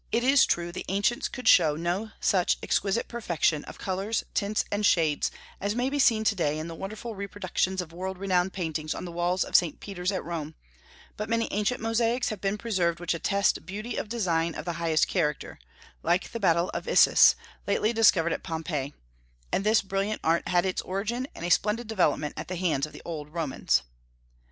It is true, the ancients could show no such exquisite perfection of colors, tints, and shades as may be seen to day in the wonderful reproductions of world renowned paintings on the walls of St. Peter's at Rome; but many ancient mosaics have been preserved which attest beauty of design of the highest character, like the Battle of Issus, lately discovered at Pompeii; and this brilliant art had its origin and a splendid development at the hands of the old Romans.